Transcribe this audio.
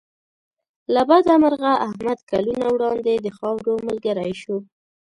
له بده مرغه احمد کلونه وړاندې د خاورو ملګری شو.